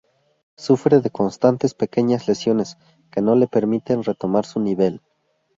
Sufre de constantes pequeñas lesiones que no le permiten retomar su nivel.